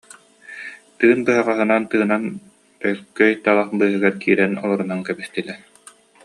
Тыын быһаҕаһынан тыынан бөлкөй талах быыһыгар киирэн олорунан кэбистилэр